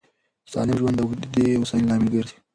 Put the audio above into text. سالم ژوند د اوږدې هوساینې لامل ګرځي.